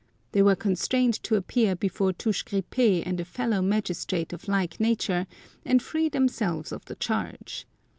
They were constrained to appear before Touche Gripp6 and a fellow magistrate of like nature, and free themselves of the charge.